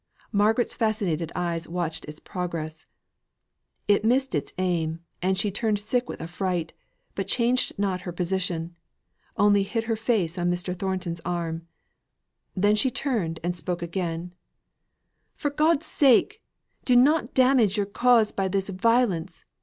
Margaret's fascinated eyes watched its progress; it missed its aim, and she turned sick with affright, but changed not her position, only hid her face on Mr. Thornton's arm. Then she turned and spoke again: "For God's sake! do not damage your cause by this violence.